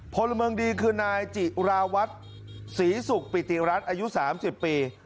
พลเมืองดีคือนายจิราวัตรศรีศุกร์ปิติรัฐอายุ๓๐ปี